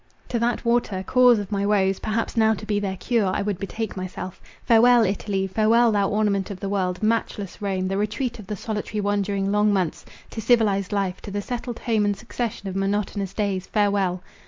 To that water—cause of my woes, perhaps now to be their cure, I would betake myself. Farewell, Italy!—farewell, thou ornament of the world, matchless Rome, the retreat of the solitary one during long months!—to civilized life—to the settled home and succession of monotonous days, farewell!